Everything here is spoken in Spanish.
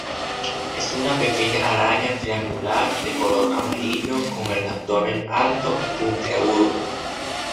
Es una pequeña araña triangular de color amarillo, con el abdomen alto y puntiagudo.